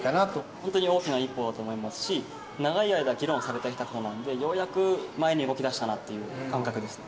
本当に大きな一歩だと思いますし、長い間、議論されていたことなんで、ようやく前に動きだしたなっていう感覚ですね。